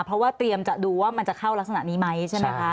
เพราะว่าเตรียมจะดูว่ามันจะเข้ารักษณะนี้ไหมใช่ไหมคะ